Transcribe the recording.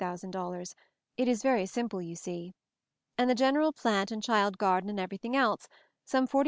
00, it is very simple, you see; and the general plant and child garden, and everything else, some $40,000.